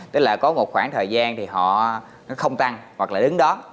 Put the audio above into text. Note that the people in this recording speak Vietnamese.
tức là có một khoảng thời gian thì họ nó không tăng hoặc là đứng đó